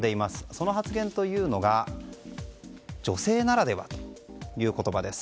その発言というのが女性ならではという言葉です。